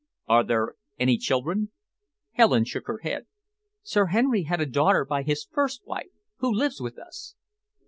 "Are there any children?" Helen shook her head. "Sir Henry had a daughter by his first wife, who lives with us."